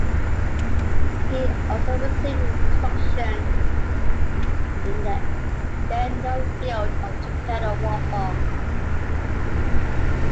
He also received instruction in the then-young field of torpedo warfare.